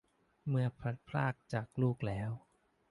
เมื่อพลัดพรากจากลูกแล้ว